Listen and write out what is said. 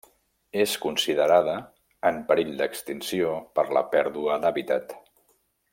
És considerada en perill d'extinció per la pèrdua d'hàbitat.